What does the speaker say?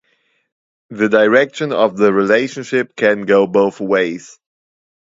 The direction of the relationship can go both ways.